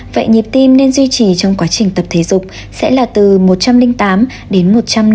vậy nhịp tim nên duy trì trong quá trình tập thể dục sẽ là từ một trăm linh tám đến một trăm năm mươi